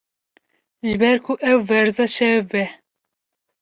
ji ber ku ev werza şewb e